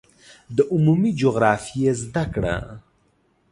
د عمومي جغرافیې زده کړه